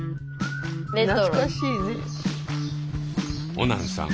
オナンさん